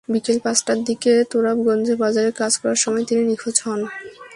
বিকেল পাঁচটার দিকে তোরাবগঞ্জ বাজারে কাজ করার সময় তিনি নিখোঁজ হন।